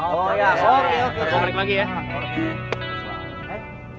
saya udah lempar slime lagi deh